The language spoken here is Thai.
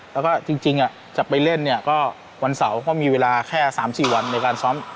แล้วก็จริงจะไปเล่นเนี่ยก็วันเสาร์ก็มีเวลาแค่๓๔วันในการซ้อม